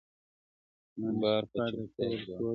بار په چوپتيا کي وړي،